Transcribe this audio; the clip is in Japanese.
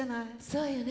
そうよね。